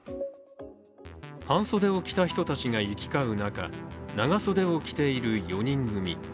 半袖を着た人たちが行き交う中長袖を着ている４人組。